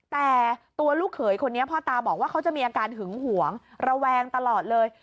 แต่ตัวลูกเขยคนนี้พ่อตาบอกว่าเขาจะมีอาการหึงหวงระแวงตลอดเลย